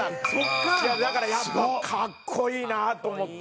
だからやっぱ格好いいなと思って。